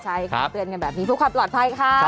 ใช่ค่ะเตือนกันแบบนี้เพื่อความปลอดภัยค่ะ